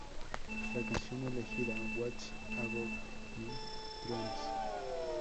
La canción elegida, "What About My Dreams?